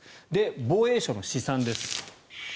防衛省の試算です。